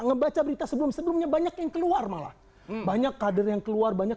ngebaca berita sebelum sebelumnya banyak yang keluar malah banyak kader yang keluar banyak